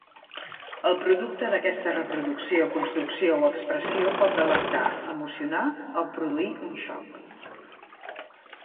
El producte d'aquesta reproducció, construcció o expressió pot delectar, emocionar o produir un xoc.